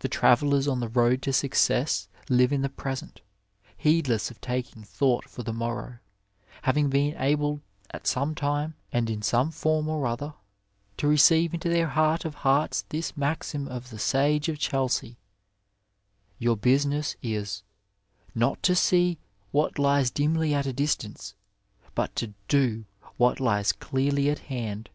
The travellers on the road to success live in the present, heedless of taking thought for the morrow, having been able at some time, and in some form or other, to receive into their heart of hearts this maxim of the Sage of Chelsea : Tour business is " not to see what lies dimly at a distance, but to do what lies clearly at hand."